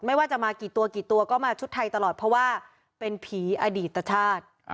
ไม่ว่าจะมากี่ตัวกี่ตัวก็มาชุดไทยตลอดเพราะว่าเป็นผีอดีตชาติ